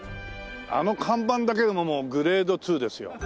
あの看板だけでももうグレード２ですよ。